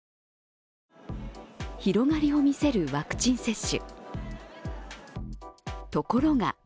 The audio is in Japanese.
広がりを見せるワクチン接種。